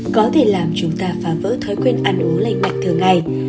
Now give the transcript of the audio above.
có thể làm chúng ta phá vỡ thói quen ăn uống lành mạnh thường ngày